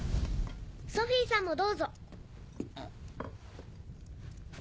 ソフィーさんもどうぞ。